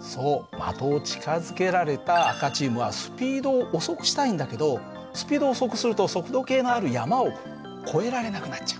そう的を近づけられた赤チームはスピードを遅くしたいんだけどスピードを遅くすると速度計のある山を越えられなくなっちゃう。